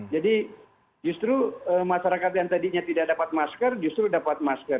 jadi justru masyarakat yang tadinya tidak dapat masker justru dapat masker